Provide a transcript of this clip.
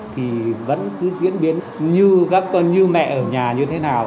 thì vẫn cứ diễn biến như các con như mẹ ở nhà như thế nào